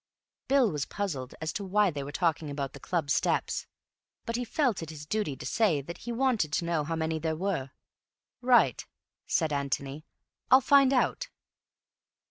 Bill was puzzled as to why they were talking about the club steps, but he felt it his duty to say that he did want to know how many they were. "Right," said Antony. "I'll find out."